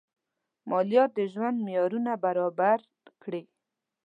مالیات د ژوند معیارونه برابر کړي.